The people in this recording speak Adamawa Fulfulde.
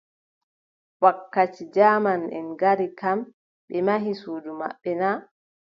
Wakkati jaamaʼen ngari kam, ɓe mahi suudu maɓɓe na ?